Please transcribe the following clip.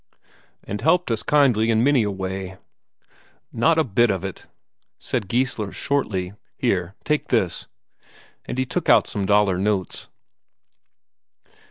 "And helped us kindly in many a way." "Not a bit of it," said Geissler shortly. "Here take this." And he took out some Daler notes.